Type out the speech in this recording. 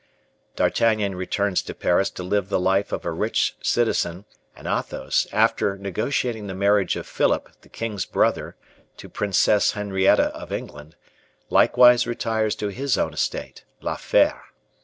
D'Artagnan returns to Paris to live the life of a rich citizen, and Athos, after negotiating the marriage of Philip, the king's brother, to Princess Henrietta of England, likewise retires to his own estate, La Fere.